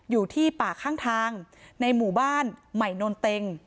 อยู่ที่ป่าข้างทางในหมู่บ้านใหม่นนเต็ง